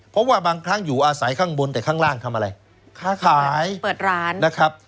เพราะว่าบางครั้งอยู่อาศัยข้างบนแต่ข้างล่างทำอะไรค้าขายเปิดร้านนะครับ